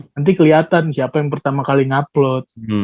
nanti keliatan siapa yang pertama kali nge upload